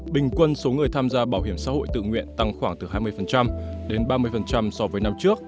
bình quân số người tham gia bảo hiểm xã hội tự nguyện tăng khoảng từ hai mươi đến ba mươi so với năm trước